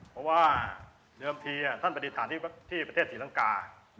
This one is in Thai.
เพราะว่าเดิมทีท่านปฏิฐานที่ประเทศศรีลังกา